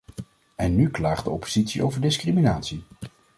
En nu klaagt de oppositie over discriminatie!